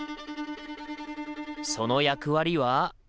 その役割は？